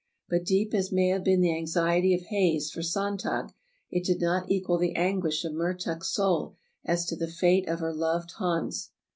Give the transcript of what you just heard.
But deep as may have been the anxiety of Hayes for Sonntag, it did not equal the anguish of Mertuk's soul as to the fate of her loved Hans.